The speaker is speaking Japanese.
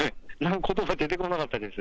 ことば出てこなかったです。